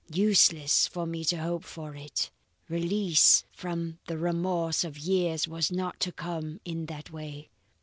Useless for me to hope for it. Release from the remorse of years was not to come in that way.